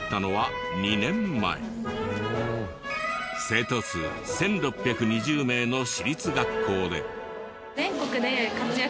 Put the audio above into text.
生徒数１６２０名の私立学校で。